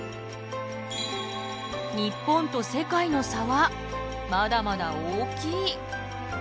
日本と世界の差はまだまだ大きい。